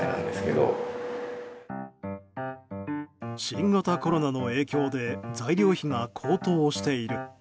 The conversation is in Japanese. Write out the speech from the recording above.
新型コロナの影響で材料費が高騰している。